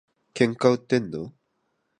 喧嘩売ってんの？